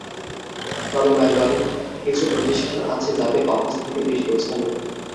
তবে my lord, কিছু প্রতিষ্ঠান আছে যাদের অফিস থাকে বেশ গোছানো।